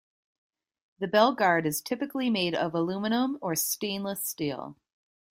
The bell guard is typically made of aluminium or stainless steel.